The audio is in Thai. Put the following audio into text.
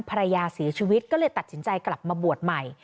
ภรรยาเสียชีวิตก็เลยตัดสินใจกลับมาบวชใหม่